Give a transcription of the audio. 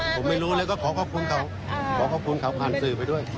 ผมไม่รู้แล้วก็ขอขอบคุณเขาขอขอบคุณเขาผ่านสื่อไปด้วย